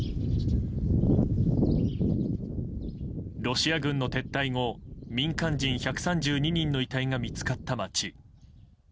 ロシア軍の撤退後、民間人１３２人の遺体が見つかった街。